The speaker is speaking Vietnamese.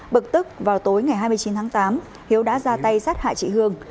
bực tức vào tối ngày hai mươi chín tháng tám hiếu đã ra tay sát hại chị hương